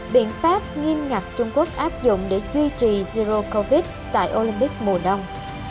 biện pháp nghiêm ngặt trung quốc áp dụng để duy trì zero covid tại olympic mùa đông